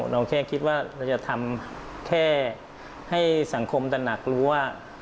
เราแค่คิดว่าเราจะทำแค่ให้สังคมตระหนักรู้ว่า